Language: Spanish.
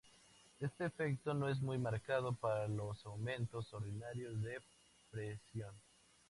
Este efecto no es muy marcado para los aumentos ordinarios de presión.